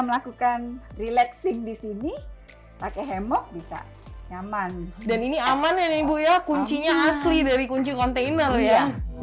melakukan relaxing di sini pakai hemok bisa nyaman dan ini aman ya nih bu ya kuncinya asli dari kunci kontainer ya